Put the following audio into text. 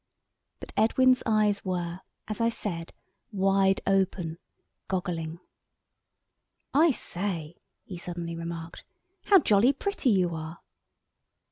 But Edwin's eyes were, as I said, wide open, goggling. "I say," he suddenly remarked, "how jolly pretty you are."